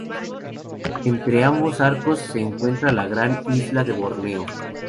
Entre ambos arcos se encuentra la gran isla de Borneo.